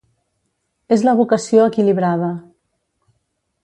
És la vocació equilibrada.